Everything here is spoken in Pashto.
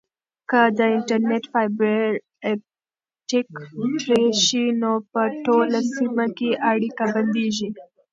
که د انټرنیټ فایبر اپټیک پرې شي نو په ټوله سیمه کې اړیکه بندیږي.